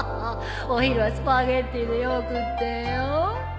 お昼はスパゲティでよくってよ